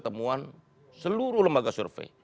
temuan seluruh lembaga survei